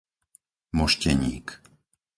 Mošteník